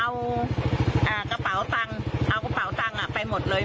เอากระเป๋าตังค์เอากระเป๋าตังค์ไปหมดเลย